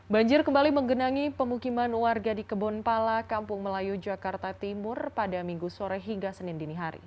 banjir kembali menggenangi pemukiman warga di kebonpala kampung melayu jakarta timur pada minggu sore hingga senin dini hari